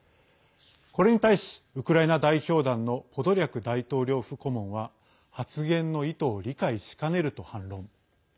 これに対し、ウクライナ代表団のポドリャク大統領府顧問は発言の意図を理解しかねると反論。